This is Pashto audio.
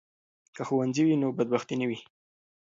که ښوونځی وي نو بدبختي نه وي.